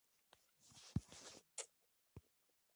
La historia toma la base del argumento de la Saga de las Doce Casas.